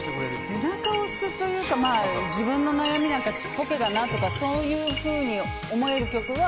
背中を押すというか自分の悩みなんかちっぽけだなとかそういうふうに思える曲は